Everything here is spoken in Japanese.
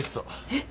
えっ！？